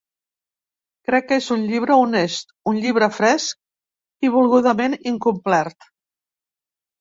Crec que és un llibre honest, un llibre fresc i volgudament incomplert.